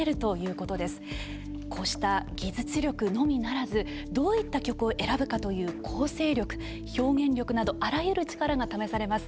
こうした技術力のみならずどういった曲を選ぶかという構成力、表現力などあらゆる力が試されます。